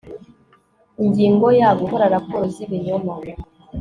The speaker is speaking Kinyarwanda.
Ingingo ya Gukora raporo z ibinyoma